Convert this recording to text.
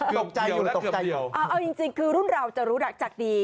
เกือบเดียวและเกือบเดียวอ๋อเอาจริงคือรุ่นเราจะรู้รักจากดี